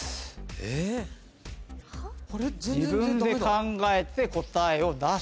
自分で考えて答えを出す。